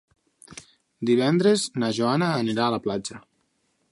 Divendres na Joana anirà a la platja.